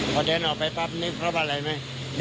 พอเดินออกไปปั๊บนึกว่าอะไรไหม